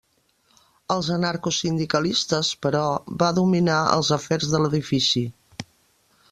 Els anarcosindicalistes, però, va dominar els afers de l'edifici.